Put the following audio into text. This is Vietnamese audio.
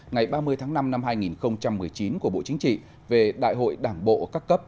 ngày ba mươi tháng năm năm hai nghìn một mươi chín của bộ chính trị về đại hội đảng bộ các cấp